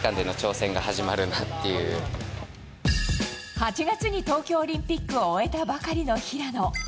８月に東京オリンピックを終えたばかりの平野。